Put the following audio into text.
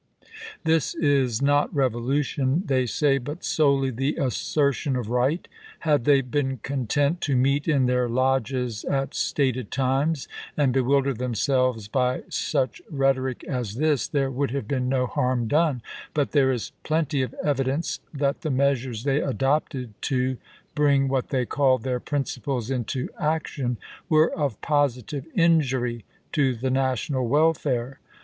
" This is not revolution," they say, Ibid. "but solely the assertion of right." Had they been content to meet in their lodges at stated times, and bewilder themselves by such rhetoric as this, there would have been no harm done; but there is plenty of evidence that the measures they adopted to bring what they called their principles into action were of positive injuiy to the national welfare.